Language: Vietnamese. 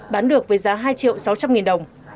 bán được với giá hai triệu sáu trăm linh nghìn đồng